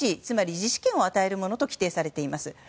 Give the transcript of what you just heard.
つまり自治権を与えるものと規定されています。